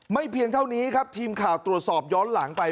เพียงเท่านี้ครับทีมข่าวตรวจสอบย้อนหลังไป